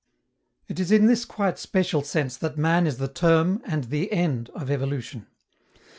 It is in this quite special sense that man is the "term" and the "end" of evolution.